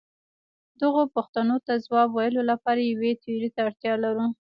دغو پوښتنو ته ځواب ویلو لپاره یوې تیورۍ ته اړتیا لرو.